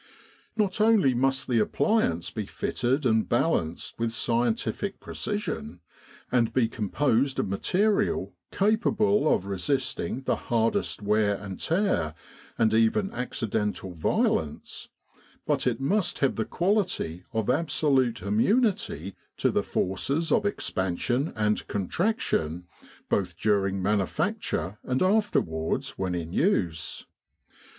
Not only must the appliance be fitted and balanced with scientific precision, and be composed of material capable of resisting the hardest wear and tear and even accidental violence, but it must have the quality of absolute immunity to the 208 Army Dental Surgery in Egypt forces of expansion and contraction both during manufacture and afterwards when in use.